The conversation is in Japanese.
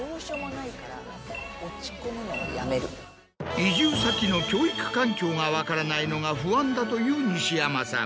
移住先の教育環境が分からないのが不安だという西山さん